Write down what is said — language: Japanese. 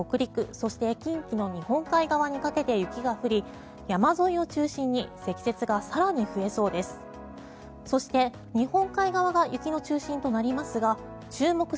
そして、近畿の日本海側にかけて雪が降り山沿いを中心に積雪が更に増えそうです。